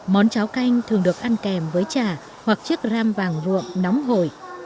món cháo canh thường được ăn kèm với chả hoặc chiếc ram vàng ruộng nóng hổi